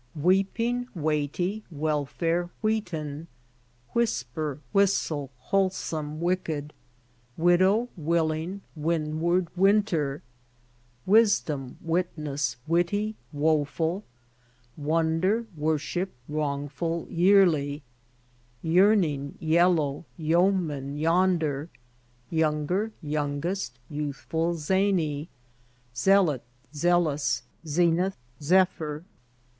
weep ing weigh ty wel fare wheat en whis per whis tle whole some wick ed wid ow will ing wind ward win ter wis dom wit ness wit ty wo ful won der wor ship wrong ful Year ly yearn in(' yel low yeo man yon der young er young est youth ful Za ny zeal ot zcal ous 'en ith ;" phyr